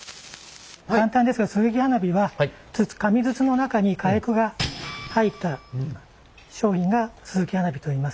簡単ですがすすき花火は紙筒の中に火薬が入った商品がすすき花火といいます。